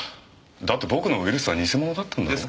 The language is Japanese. だって僕のウイルスは偽物だったんだろ？